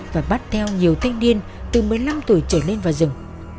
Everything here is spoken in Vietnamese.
và bắt theo nhiều thanh niên từ một mươi năm tuổi trở lên vào rừng